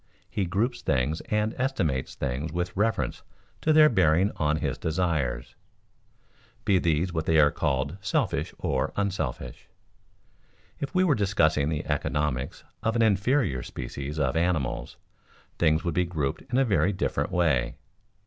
He groups things and estimates things with reference to their bearing on his desires, be these what are called selfish or unselfish. If we were discussing the economics of an inferior species of animals, things would be grouped in a very different way.